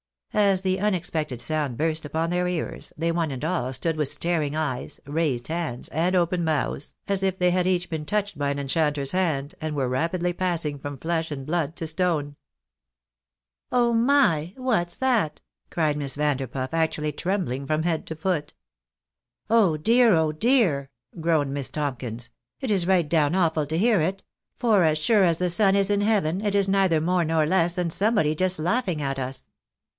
As the unex pected sound burst upon their ears, they one and all stood with staring eyes, raised hands, and open mouths, as if they had each been touched by an enchanter's hand, and were rapidly passing from flesh and blood to stone. " Oh my ! what's that ?" cried Miss Vanderpuff, actually trembling from head to foot. " Oh dear ! oh dear !" groaned good Mrs. Tomkins ;" it is right down awful to hear it ; for as sure as the sun is in heaven, it is neither more nor less than somebody just laughing at us."